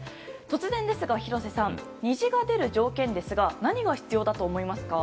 突然ですが廣瀬さん虹が出る条件ですが何が必要だと思いますか？